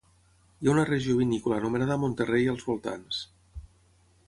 Hi ha una regió vinícola anomenada Monterrey als voltants.